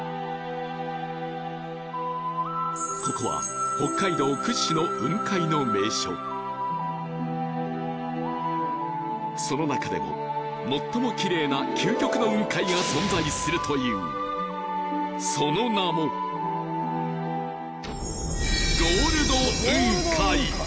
ここは北海道屈指の雲海の名所その中でも最もキレイな究極の雲海が存在するというその名も「ゴールド雲海」